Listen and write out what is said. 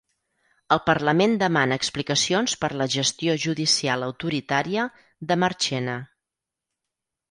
El parlament demana explicacions per la gestió judicial autoritària de Marchena